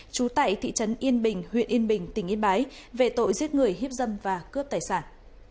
trú tại thị trấn yên bình huyện yên bình tỉnh yên bái về tội giết người hiếp dâm và cướp tài sản